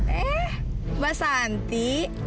eh mbak santi